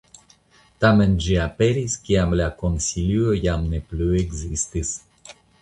Tamen ĝi aperis kiam la Konsilio jam ne plu ekzistis.